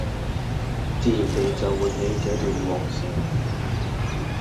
自然地就喚起這段往事